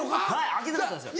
開けてなかったんですよ。